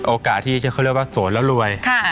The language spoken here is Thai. โอกาสที่เขาเรียกว่าโสดแล้วรวย